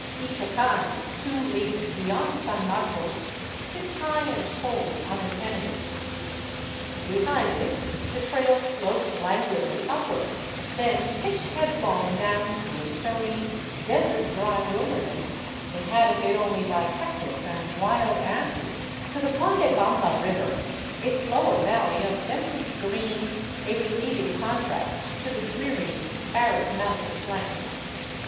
Ichocan, two leagues beyond San Marcos, sits high and cold on an eminence. Behind it the trail sloped languidly upward, then pitched headlong down through a stony, desert dry wilderness, inhabited only by cactus and wild asses, to the Condebamba river, its lower valley of densest green a relieving contrast to the dreary, arid mountain flanks.